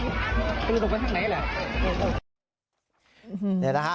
ดูว่าคุณลงไปทางไหนแหละ